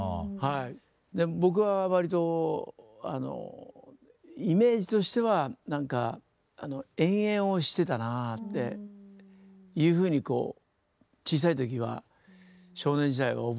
で僕は割とあのイメージとしては何かあの遠泳をしてたなあっていうふうにこう小さい時は少年時代は覚えてますよね。